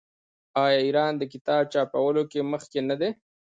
آیا ایران د کتاب چاپولو کې مخکې نه دی؟